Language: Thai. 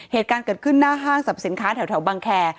เหตุการณ์เกิดขึ้นหน้าห้างสรรพสินค้าแถวบังแคร์